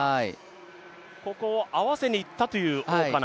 ここ合わせにいったという王嘉男。